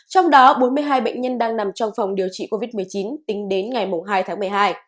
trong đó bốn mươi hai bệnh nhân đang nằm trong phòng điều trị covid một mươi chín tính đến ngày hai tháng một mươi hai